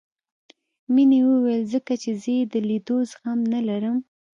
مينې وويل ځکه چې زه يې د ليدو زغم نه لرم.